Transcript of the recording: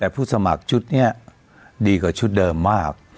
ผู้สมัครชุดดีกว่าชุดเดิมมาก